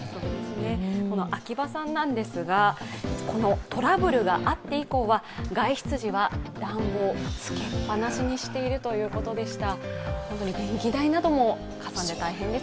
秋庭さんなんですがトラブルがあって以降は外出時は暖房をつけっぱなしにしているということでした。